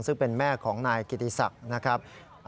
ซึ่งเป็นแม่ของนายกิติศักดิ์นะครับ